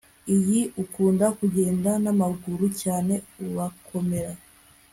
iyi ukunda kugenda namaguru cyane urakomera